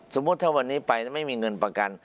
สมมุติถ้าวันนี้ไปแล้วไม่มีเงินประกัน